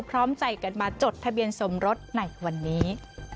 พร้อมใจกันมาจดทะเบียนสมรสในวันนี้